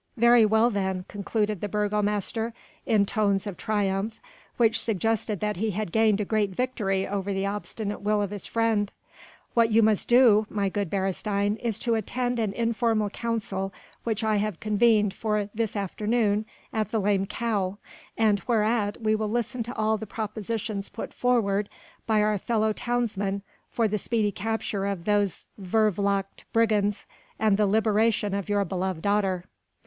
"Very well then," concluded the burgomaster, in tones of triumph which suggested that he had gained a great victory over the obstinate will of his friend, "what you must do, my good Beresteyn, is to attend an informal council which I have convened for this afternoon at the 'Lame Cow' and whereat we will listen to all the propositions put forward by our fellow townsmen for the speedy capture of those vervloekte brigands and the liberation of your beloved daughter."